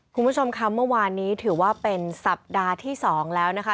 คุณผู้ชมค่ะเมื่อวานนี้ถือว่าเป็นสัปดาห์ที่๒แล้วนะคะ